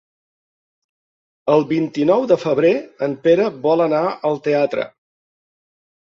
El vint-i-nou de febrer en Pere vol anar al teatre.